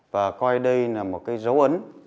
và coi đây là một cái dấu ấn